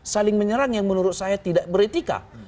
saling menyerang yang menurut saya tidak beretika